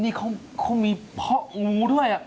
นี่เขามีเพาะงูด้วย